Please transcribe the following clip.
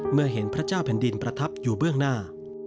เมื่อเห็นพระเจ้าแผ่นดินประทับอยู่เบื้องหน้า